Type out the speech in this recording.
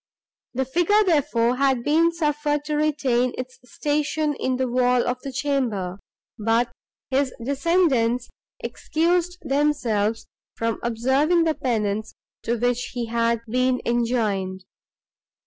The figure, therefore, had been suffered to retain its station in the wall of the chamber, but his descendants excused themselves from observing the penance, to which he had been enjoined.